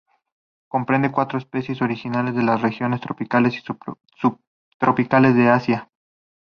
Comprende cuatro especies originarias de las regiones tropicales y subtropicales de Asia.